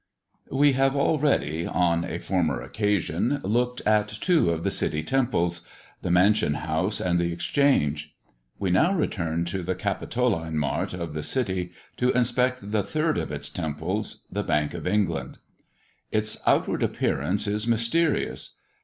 We have already, on a former occasion, looked at two of the city temples the Mansion house and the Exchange. We now return to the Capitoline mart of the city, to inspect the third of its temples the Bank of England. Its outward appearance is mysterious.